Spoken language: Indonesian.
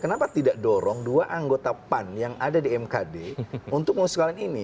kenapa tidak dorong dua anggota pan yang ada di mkd untuk mengusulkan ini